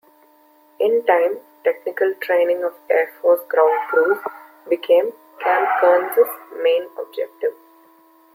In time, technical training of air force ground crews became Camp Kearns's main objective.